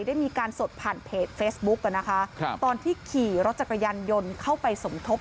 ได้มีการสดผ่านเพจเฟซบุ๊กอ่ะนะคะครับตอนที่ขี่รถจักรยานยนต์เข้าไปสมทบ